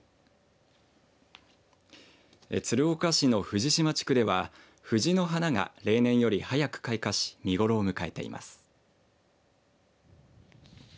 鶴岡市の藤島地区では藤の花が例年より早く開花し見頃を迎えています。